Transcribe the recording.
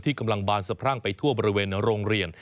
กำลังบานสะพรั่งไปทั่วบริเวณโรงเรียน